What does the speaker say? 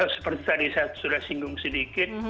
seperti tadi saya sudah singgung sedikit